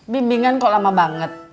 bimbingan kok lama banget